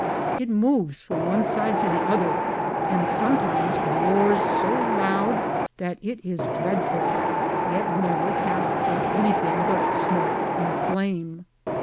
It moves from one Side to the other, and sometimes roars so loud that it is dreadful, yet never casts up any thing but Smoak and Flame.